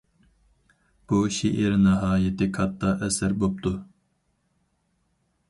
بۇ شېئىر ناھايىتى كاتتا ئەسەر بوپتۇ.